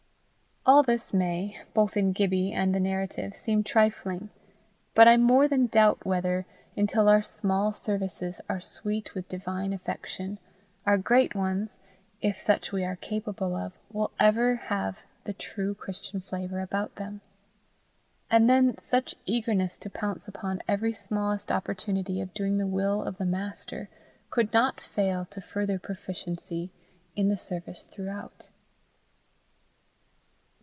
All this may, both in Gibbie and the narrative, seem trifling, but I more than doubt whether, until our small services are sweet with divine affection, our great ones, if such we are capable of, will ever have the true Christian flavour about them. And then such eagerness to pounce upon every smallest opportunity of doing the will of the Master, could not fail to further proficiency in the service throughout.